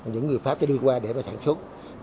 những người pháp đã đưa qua để mà sản xuất